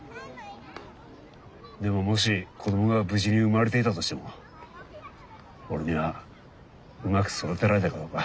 でももし子供が無事に産まれていたとしても俺にはうまく育てられたかどうか。